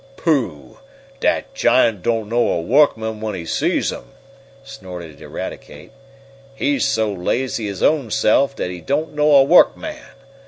"Pooh! Dat giant don't know a workman when he sees 'im!" snorted Eradicate. "He so lazy his own se'f dat he don't know a workman!